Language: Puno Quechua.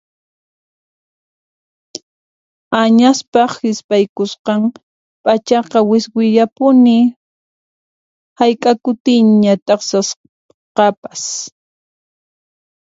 Añaspaq hisp'aykusqan p'achaqa wiswillapuni hayk'a kutiña t'aqsasqapas.